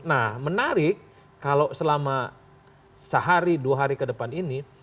nah menarik kalau selama sehari dua hari ke depan ini